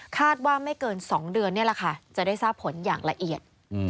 ว่าไม่เกิน๒เดือนนี่แหละค่ะจะได้ทราบผลอย่างละเอียด